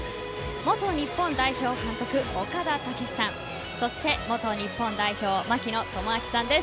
元日本代表監督・岡田武史さん元日本代表・槙野智章さんです。